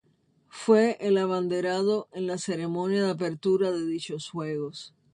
Fue el abanderado en la ceremonia de apertura de dichos Juegos.